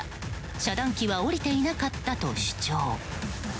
遮断機は下りていなかったと主張。